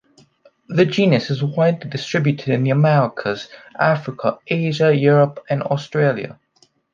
The genus is widely distributed in the Americas, Africa, Asia, Europe, and Australia.